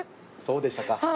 そうでしたか。